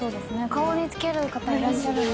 顔につける方いらっしゃるんだ。